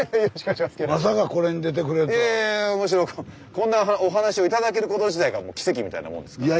こんなお話を頂けること自体がもう奇跡みたいなもんですから。